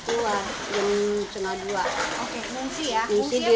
setelah jam dua belas tiga puluh air di pinang pinang naik